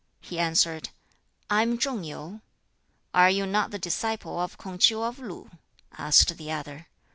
He answered, 'I am Chung Yu.' 'Are you not the disciple of K'ung Ch'iu of Lu?' asked the other.